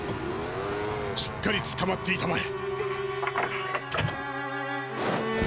しっかりつかまっていたまえ。